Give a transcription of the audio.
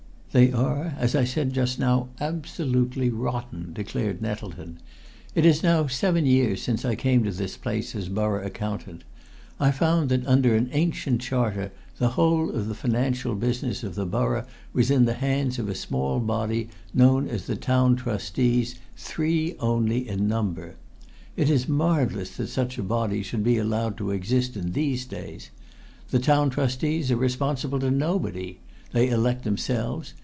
"They are, as I said just now, absolutely rotten!" declared Nettleton. "It is now seven years since I came to this place as Borough Accountant. I found that under an ancient charter the whole of the financial business of the borough was in the hands of a small body known as the Town Trustees, three only in number. It is marvellous that such a body should be allowed to exist in these days! The Town Trustees are responsible to nobody. They elect themselves.